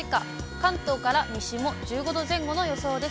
関東から西も１５度前後の予想です。